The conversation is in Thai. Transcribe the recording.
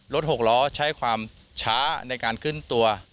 หกล้อใช้ความช้าในการขึ้นตัว